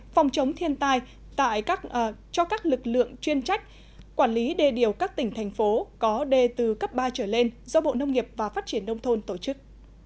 phòng chống thiên tai cho các lực lượng chuyên trách quản lý đê điều các tỉnh thành phố có đê từ cấp ba trở lên do bộ nông nghiệp và phát triển nông thôn tổ chức